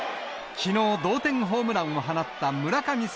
きのう、同点ホームランを放った村神様